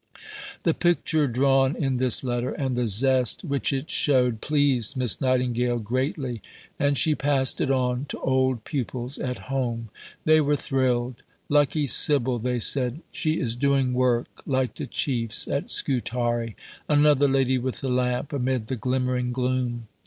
The picture drawn in this letter, and the zest which it showed, pleased Miss Nightingale greatly, and she passed it on to old pupils at home. They were thrilled. Lucky Sybil! they said; she is doing work like the Chief's at Scutari! another Lady with the Lamp amid the glimmering gloom!